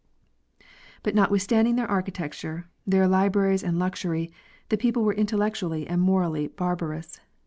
But notwithstanding their architecture, their libra ries and luxury, the people were intellectually and morally barbarous.